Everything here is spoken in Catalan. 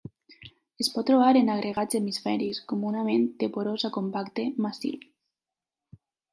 Es pot trobar en agregats hemisfèrics; comunament de porós a compacte, massiu.